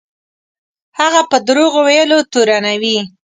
هغه په دروغ ویلو تورنوي.